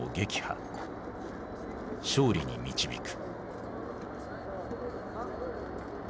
勝利に導く。